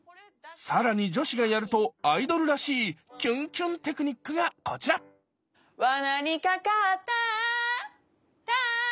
更に女子がやるとアイドルらしいキュンキュンテクニックがこちらわなにかかったあったあっ